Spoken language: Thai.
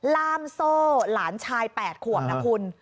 ล่ามโซ่หลานชาย๘ขวบนะคุณ